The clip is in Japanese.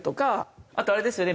あとあれですよね